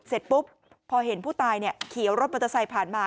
เสร็จปุ๊บพอเห็นผู้ตายขี่รถมอเตอร์ไซค์ผ่านมา